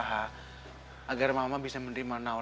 kamu tumen hari ini romantis banget